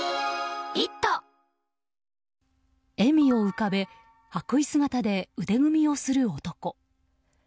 笑みを浮かべ白衣姿で腕組みをする男。